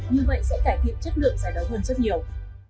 như vậy sẽ cải thiện chất lượng giải đấu hơn rất nhiều